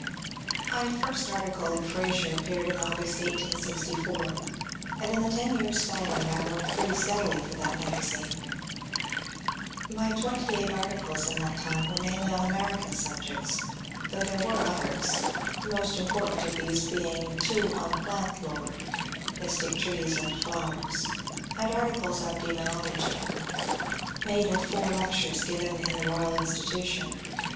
My first article in ^^ Fraser " appeared in August, 1864, and in the ten years foUowing I worked pretty steadily for that magazine. My twenty eight articles in that time were mainly on American subjects, though there were others, — the most important of these being two on plant lore Q^ Mystic Trees and Flowers") and articles on ^^ Demonology," made of four lectures given in the Royal Institution.